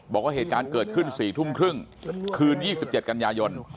บอกว่าเหตุการณ์เกิดขึ้น๔ทุ่มครึ่งคืน๒๗กันยายน